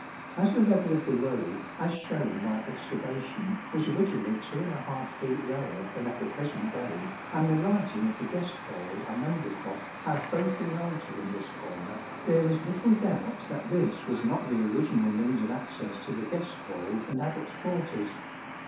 As the level of the road, as shown by excavation, was originally 2^ feet lower than at the present day, and the lighting of the guest hall and undercroft have both been altered in this corner, there is little doubt that this was not the original means of access to the guest hall and Abbat's quarters.